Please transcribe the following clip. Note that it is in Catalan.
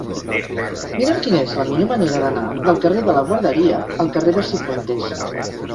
Mira'm quina és la millor manera d'anar del carrer de la Guarderia al carrer de Cifuentes.